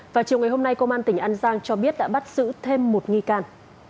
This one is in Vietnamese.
vào chiều ngày hôm nay công an tỉnh an giang cho biết đã bắt giữ thêm một nghi can